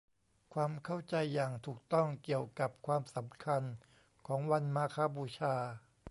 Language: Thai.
ความเข้าใจอย่างถูกต้องเกี่ยวกับความสำคัญของวันมาฆบูชา